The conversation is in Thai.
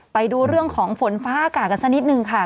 ไปดูเรื่องของฝนฟ้าอากาศกันสักนิดนึงค่ะ